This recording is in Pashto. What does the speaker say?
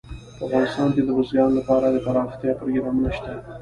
په افغانستان کې د بزګانو لپاره دپرمختیا پروګرامونه شته.